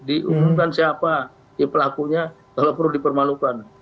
diumumkan siapa ya pelakunya kalau perlu dipermalukan